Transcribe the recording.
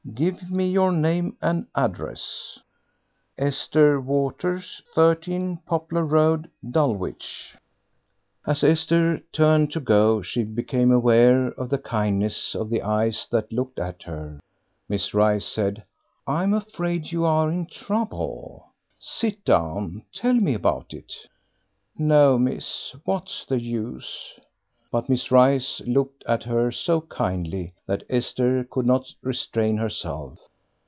Give me your name and address." "Esther Waters, 13 Poplar Road, Dulwich." As Esther turned to go she became aware of the kindness of the eyes that looked at her. Miss Rice said "I'm afraid you're in trouble.... Sit down; tell me about it." "No, miss, what's the use?" But Miss Rice looked at her so kindly that Esther could not restrain herself.